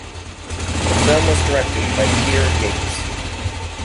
The film was directed by Peter Yates.